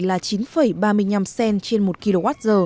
là chín ba mươi năm cent trên một kwh